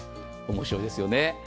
面白いですよね。